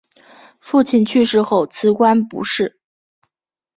父亲去世后辞官不仕。